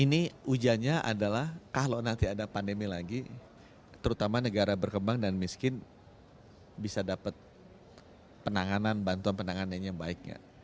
ini ujiannya adalah kalau nanti ada pandemi lagi terutama negara berkembang dan miskin bisa dapat penanganan bantuan penanganan yang baiknya